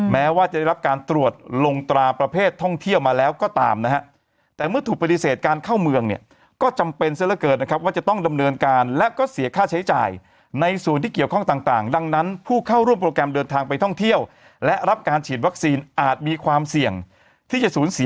แม้ว่าจะได้รับการตรวจลงตราประเภทท่องเที่ยวมาแล้วก็ตามนะฮะแต่เมื่อถูกปฏิเสธการเข้าเมืองเนี่ยก็จำเป็นซะละเกินนะครับว่าจะต้องดำเนินการและก็เสียค่าใช้จ่ายในส่วนที่เกี่ยวข้องต่างดังนั้นผู้เข้าร่วมโปรแกรมเดินทางไปท่องเที่ยวและรับการฉีดวัคซีนอาจมีความเสี่ยงที่จะสูญเสีย